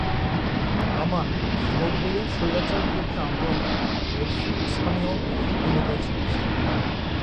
আমান নব্বইয়ের স্বৈরাচার বিরোধী আন্দোলনে নেতৃস্থানীয় ভূমিকায় ছিলেন।